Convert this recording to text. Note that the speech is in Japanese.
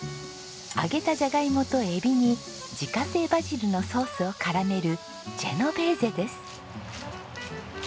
揚げたジャガイモとエビに自家製バジルのソースを絡めるジェノベーゼです。